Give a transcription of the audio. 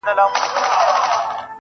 زه تر هغو پورې ژوندی يمه چي ته ژوندۍ يې,